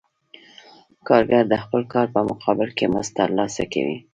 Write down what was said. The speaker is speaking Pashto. کارګر د خپل کار په مقابل کې مزد ترلاسه کوي